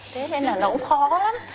thế nên là nó cũng khó lắm